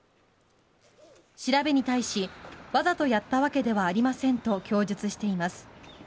調べに対しわざとやったわけではありませんと供述しています。